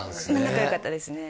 仲よかったですね